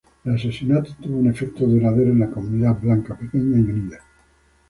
El asesinato tuvo un efecto duradero en la comunidad blanca pequeña y unida.